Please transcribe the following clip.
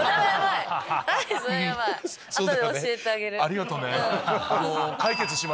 ありがとね。